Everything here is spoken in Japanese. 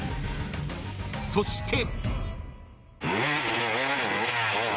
［そして！］